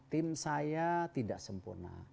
tim saya tidak sempurna